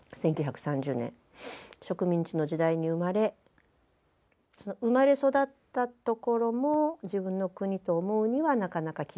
植民地の時代に生まれその生まれ育ったところも自分の国と思うにはなかなか厳しい。